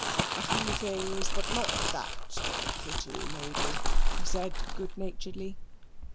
"A few things, but not that, my pretty lady," he said good naturedly.